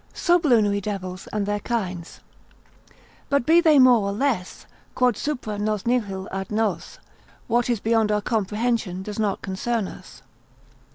Sublunary devils, and their kinds.] But be they more or less, Quod supra nos nihil ad nos (what is beyond our comprehension does not concern us).